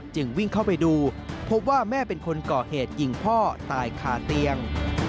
จึงวิ่งเข้าไปดูพบว่าแม่เป็นคนก่อเหตุยิงพ่อตายคาเตียง